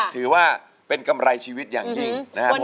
ถือว่าเป็นกำไรชีวิตอย่างยิ่ง